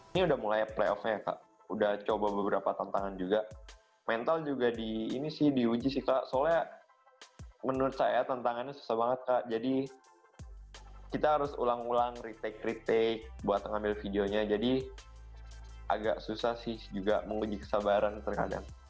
ini sudah mulai playoffnya sudah coba beberapa tantangan juga